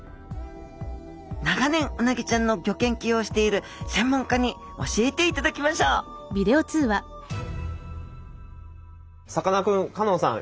長年うなぎちゃんのギョ研究をしている専門家に教えていただきましょうさかなクン香音さん